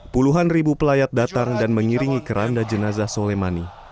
puluhan ribu pelayat datang dan mengiringi keranda jenazah soleimani